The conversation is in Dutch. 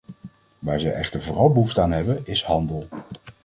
Waar zij echter vooral behoefte aan hebben, is handel.